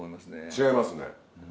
違いますね。